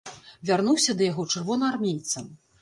Вярнуўся да яго чырвонаармейцам.